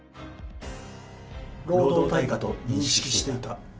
労働対価と認識していた。